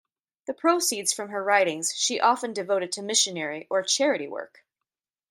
The proceeds from her writings she often devoted to missionary or charity work.